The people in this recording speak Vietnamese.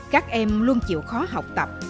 các em luôn chịu khó học tập